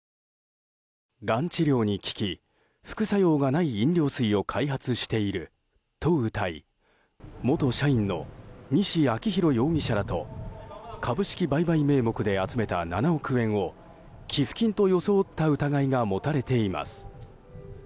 がん治療に効き副作用がない飲料水を開発しているとうたい元社員の西昭洋容疑者らと株式売買名目で集めた７億円を寄付金と装った疑いが持たれています。